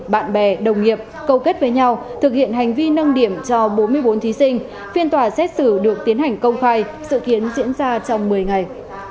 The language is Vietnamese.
bạn bè đồng nghiệp cầu kết với nhau thực hiện hành vi nâng điểm cho bốn mươi bốn thí sinh phiên tòa xét xử được tiến hành công khai dự kiến diễn ra trong một mươi ngày